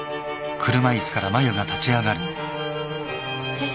えっ？